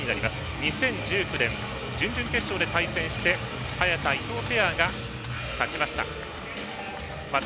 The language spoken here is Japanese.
２０１９年、準々決勝で対戦して早田、伊藤ペアが勝ちました。